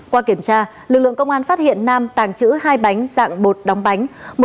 qua kiểm tra lực lượng công an phát hiện nam tàng trữ hai bánh dạng bột đóng bánh